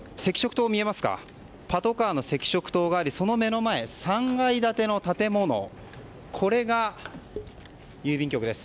パトカーの赤色灯がありその目の前３階建ての建物が郵便局です。